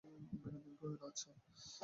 বিনোদিনী কহিল, আচ্ছা।